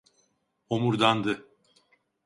Homurdandı.